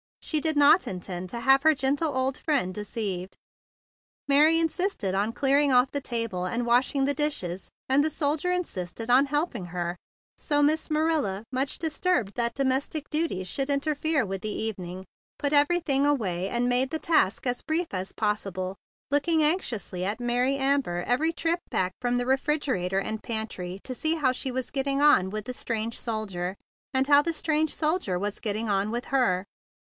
She did not intend to have her gentle old friend deceived. Mary insisted on clearing off the table and washing the dishes, and the soldier insisted on helping her; so Miss Marilla, much disturbed that domestic duties should interfere with the even¬ ing, put everything away, and made the task as brief as possible, looking anx¬ iously at Mary Amber every trip back from the refrigerator and pantry to see how she was getting on with the strange soldier, and how the strange soldier was getting on with her.